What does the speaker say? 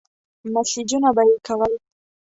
مسېجونه به يې کول.